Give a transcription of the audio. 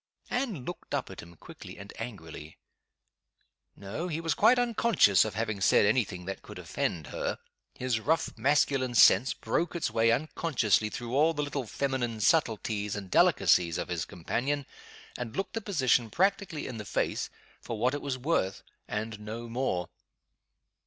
Anne looked up at him, quickly and angrily. No! he was quite unconscious of having said any thing that could offend her. His rough masculine sense broke its way unconsciously through all the little feminine subtleties and delicacies of his companion, and looked the position practically in the face for what it was worth, and no more.